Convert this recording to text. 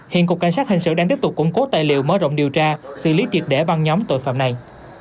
hiện cục cảnh sát hình sự đang tiếp tục củng cố tài liệu mở rộng điều tra xử lý triệt để băng nhóm tội phạm này